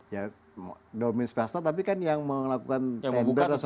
ya domain swasta tapi kan yang melakukan tender tetap adalah jasa marga